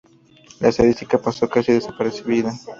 La estadística pasó casi desapercibida.